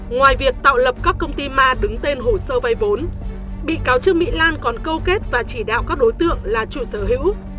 ngoài việc tạo lập các công ty ma đứng tên hồ sơ vay vốn bị cáo trương mỹ lan còn câu kết và chỉ đạo các đối tượng là chủ sở hữu